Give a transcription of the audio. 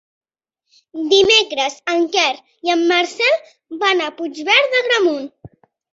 Dimecres en Quer i en Marcel van a Puigverd d'Agramunt.